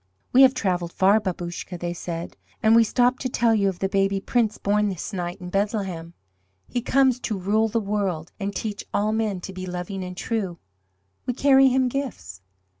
"We have travelled far, Babouscka," they said, "and we stop to tell you of the Baby Prince born this night in Bethlehem. He comes to rule the world and teach all men to be loving and true. We carry Him gifts.